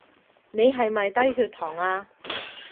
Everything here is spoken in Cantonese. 你係咪低血糖呀？